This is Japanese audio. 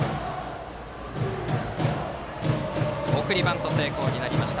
送りバント成功になりました。